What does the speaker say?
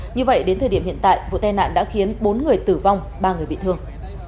như vậy đến thời điểm hiện tại vụ tai nạn đã khiến bốn người tử vong ba người bị thương